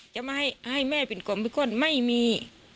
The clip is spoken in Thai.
จะมาให้แม่เป็นคนไม่มี